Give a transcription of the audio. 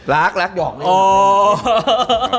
รักหยอกเท่นนี้